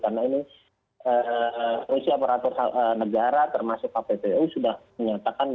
karena ini polisi aparatur negara termasuk kppu sudah menyatakan